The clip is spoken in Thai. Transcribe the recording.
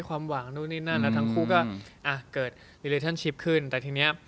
คือรู้มันก็หลายฝ่าย